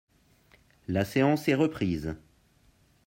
La séance est reprise.